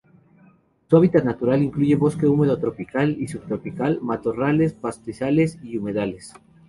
Su hábitat natural incluye bosque húmedo tropical y subtropical, matorrales, pastizales y humedales.